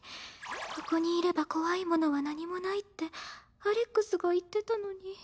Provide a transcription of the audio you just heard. ここにいれば怖いものは何もないってアレックスが言ってたのに。